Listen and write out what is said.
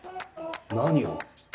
何を？